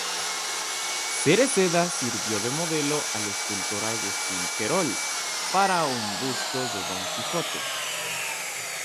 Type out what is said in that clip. Cereceda sirvió de modelo al escultor Agustín Querol para un busto de Don Quijote.